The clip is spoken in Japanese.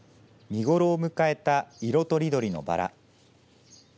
見頃を迎えた色とりどりのバラ。